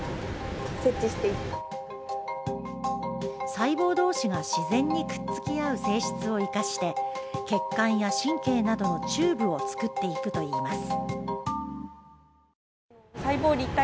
細胞同士が自然にくっつき合う性質を生かして血管や神経などのチューブを作っていくといいます。